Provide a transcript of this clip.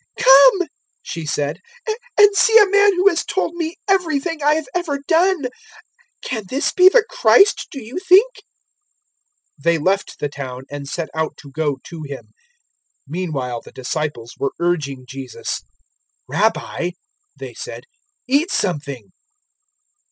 004:029 "Come," she said, "and see a man who has told me everything I have ever done. Can this be the Christ, do you think?" 004:030 They left the town and set out to go to Him. 004:031 Meanwhile the disciples were urging Jesus. "Rabbi," they said, "eat something."